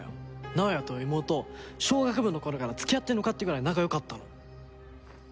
直哉と妹小学部の頃から付き合ってんのかってぐらい仲良かったの。